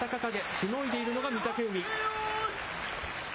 しのいでいるのが御嶽海。